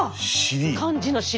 漢字の「尻」。